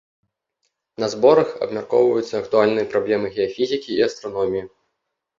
На зборах абмяркоўваюцца актуальныя праблемы геафізікі і астраноміі.